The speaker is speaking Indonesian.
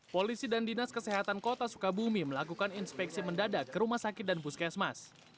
polisi dan dinas kesehatan kota sukabumi melakukan inspeksi mendadak ke rumah sakit dan puskesmas